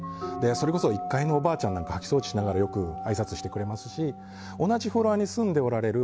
それこそ１階のおばあちゃんなんか掃き掃除しながらよくあいさつしてくれますし同じフロアに住んでおられる